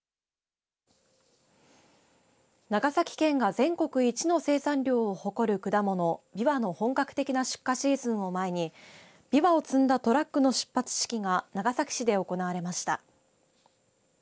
長崎県が全国一の生産量を誇る果物、びわの本格的な出荷シーズンを前にびわを積んだトラックの出発式が長崎市で行われました。